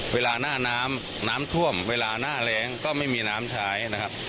เวลาหน้าน้ำน้ำท่วมเวลาหน้าแรงก็ไม่มีน้ำใช้นะครับ